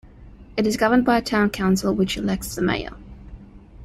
It is governed by a town council, which elects the mayor.